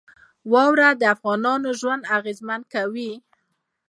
واوره د افغانانو ژوند اغېزمن کوي.